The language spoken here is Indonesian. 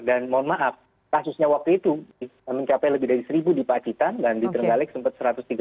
dan mohon maaf kasusnya waktu itu mencapai lebih dari seribu dipacitan dan ditergali sempat satu ratus tiga puluh empat